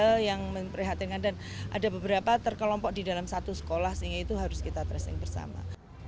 ini adalah hal yang memperhatikan dan ada beberapa terkelompok di dalam satu sekolah sehingga itu harus kita tracing bersama